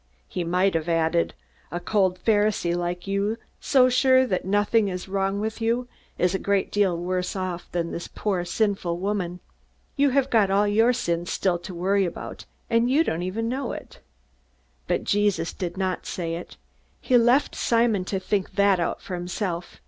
He might have added: "A cold Pharisee like you, so sure that nothing is wrong with you, is a great deal worse off than this poor, sinful woman. You have got all your sins still to worry about, and you don't even know it!" But Jesus did not say it. He left Simon to think that out for himself.